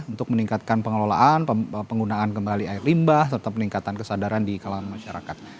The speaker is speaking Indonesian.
untuk meningkatkan pengelolaan penggunaan kembali air limbah serta peningkatan kesadaran di kalangan masyarakat